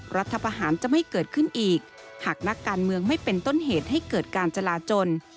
รัฐประหารจะไม่เกิดขึ้นอีกหากนักการเมืองไม่เป็นต้นเหตุให้เกิดการจราจน